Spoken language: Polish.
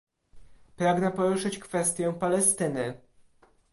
Pragnę poruszyć kwestię Palestyny